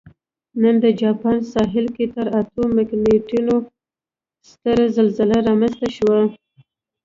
نن د جاپان ساحل کې تر اتو مګنیټیوډ ستره زلزله رامنځته شوې